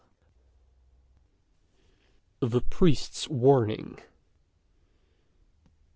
THE PRIEST'S WARNING.